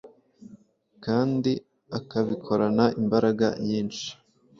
kandi akabikorana imbaraga.nyisnhi